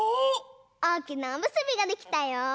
おおきなおむすびができたよ！